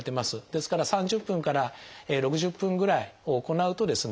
ですから３０分から６０分ぐらいを行うとですね